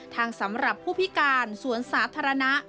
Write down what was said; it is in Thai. สำหรับผู้พิการสวนสาธารณะ